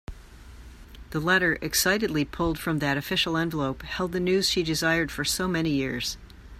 The letter excitedly pulled from that official envelope held the news she desired for so many years.